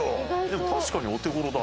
でも確かにお手頃だね。